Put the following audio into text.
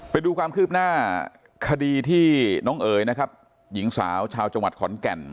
ไปดูความคืบหน้าคดีที่น้องเอ๋ยนะครับหญิงสาวชาวจังหวัดขอนแก่น